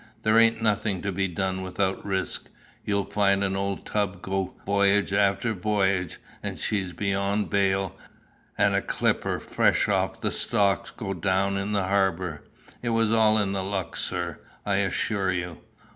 There ain't nothing to be done without risk. You'll find an old tub go voyage after voyage, and she beyond bail, and a clipper fresh off the stocks go down in the harbour. It's all in the luck, sir, I assure you."